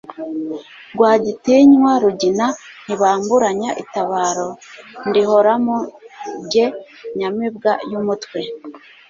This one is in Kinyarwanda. Rwagitinywa rugina ntibamburanya itabaro, ndihoramo jye nyamibwa y'umutwe.